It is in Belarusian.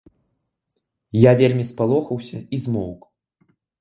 Я вельмі спалохаўся і змоўк.